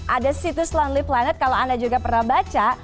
ada situs lonely planet kalau anda juga pernah baca